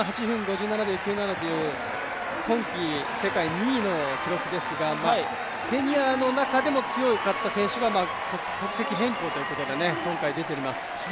８分５９秒９７という今季２位の記録ですが、ケニアの中でも強かった選手が国籍変更ということで今回出ています。